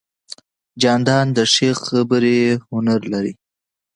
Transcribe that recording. جانداد د ښې خبرې هنر لري.